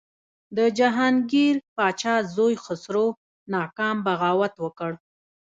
د جهانګیر پاچا زوی خسرو ناکام بغاوت وکړ.